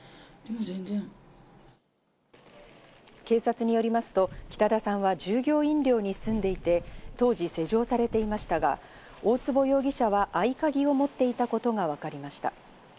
警察によりますと、北田さんは従業員寮に住んでいて、当時施錠されていましたが、大坪容疑者が合鍵を持っていたことがわかりました。